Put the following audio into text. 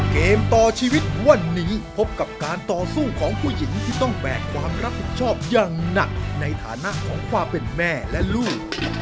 เกมต่อชีวิตวันนี้พบกับการต่อสู้ของผู้หญิงที่ต้องแบกความรับผิดชอบอย่างหนักในฐานะของความเป็นแม่และลูก